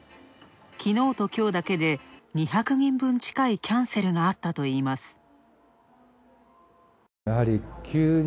きのうときょうだけで、２００人分近いキャンセルがあったといいます。